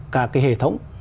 cả cái hệ thống